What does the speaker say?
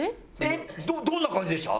どんな感じでした？